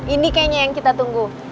ini kayaknya yang kita tunggu